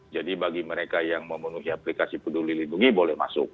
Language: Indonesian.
jadi bagi mereka yang memenuhi aplikasi peduli lindungi boleh masuk